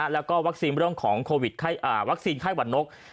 แล้วก็วัคซีนเรื่องของโควิดวัคซีนไข้หวัดนก